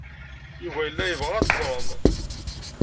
Yuba yella yebɣa ad teẓrem.